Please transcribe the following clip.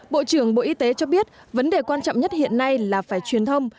bộ trưởng bộ y tế cho biết vấn đề quan trọng nhất hiện nay là phải truyền thông